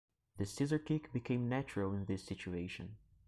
The scissor kick became natural in this situation.